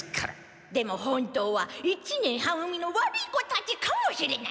でも本当は「一年は組の悪い子たち」かもしれない。